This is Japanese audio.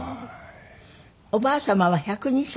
おばあ様は１０２歳。